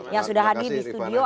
yang sudah hadir di studio